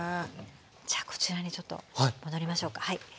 じゃあこちらにちょっと戻りましょうか。